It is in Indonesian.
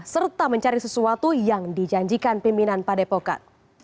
serta mencari sesuatu yang dijanjikan pimpinan padepokan